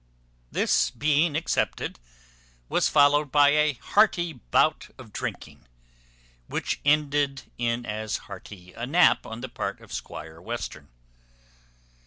This being accepted, was followed by a hearty bout of drinking, which ended in as hearty a nap on the part of Squire Western.